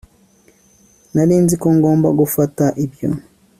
nari nzi ko ngomba gufata ibyo